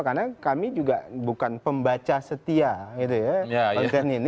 karena kami juga bukan pembaca setia gitu ya konten ini